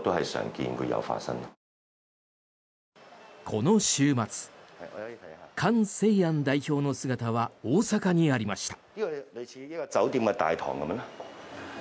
この週末カン・セイアン代表の姿は大阪にありました。